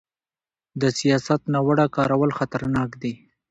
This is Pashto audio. د سیاست ناوړه کارول خطرناک دي